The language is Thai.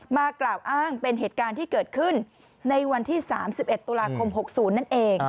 กล่าวอ้างเป็นเหตุการณ์ที่เกิดขึ้นในวันที่๓๑ตุลาคม๖๐นั่นเอง